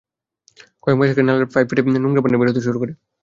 কয়েক মাস আগে নালার পাইপ ফেটে নোংরা পানি বেরোতে শুরু করে।